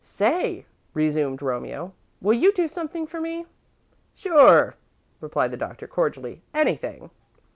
"Say," resumed Romeo, "will you do something for me?" "Sure," replied the Doctor, cordially. "Anything."